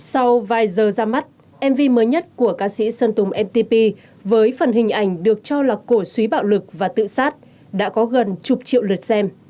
sau vài giờ ra mắt mv mới nhất của ca sĩ sơn tùng mt với phần hình ảnh được cho là cổ suý bạo lực và tự sát đã có gần chục triệu lượt xem